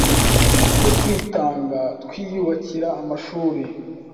tujye twitanga, twiyubakira amashuri,